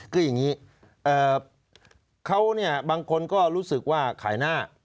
คืออย่างนี้เขาเนี่ยบางคนก็รู้สึกว่าขายหน้า